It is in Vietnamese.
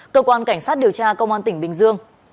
cơ quan cảnh sát điều tra công an tỉnh bình dương